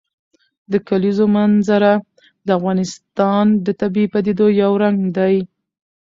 د کلیزو منظره د افغانستان د طبیعي پدیدو یو رنګ دی.